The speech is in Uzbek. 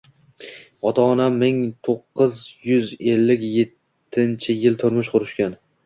Ota-onam ming to’qqiz yuz ellik yettinchi yili turmush qurishgan.